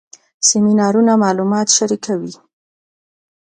سیمینارونه معلومات شریکوي